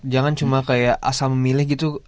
jangan cuma kayak asal memilih gitu